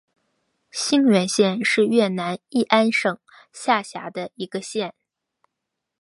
兴元县是越南乂安省下辖的一个县。